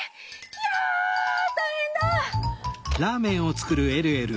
ひゃたいへんだ！